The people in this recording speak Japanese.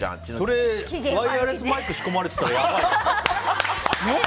それ、ワイヤレスマイク仕込まれてたらやばいですね。